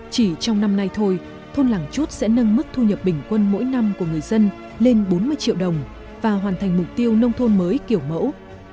chỉ trong năm nay thôi thôn làng chút sẽ nâng mức thu nhập bình quân mỗi năm của người dân lên bốn mươi triệu đồng và hoàn thành mục tiêu nông thôn mới kiểu mẫu